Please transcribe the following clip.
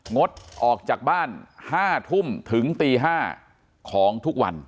งดออกจากบ้าน๕ทุ่มถึงตี๕ของทุกวัน